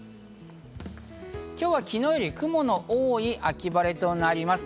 今日は昨日より雲の多い秋晴れとなります。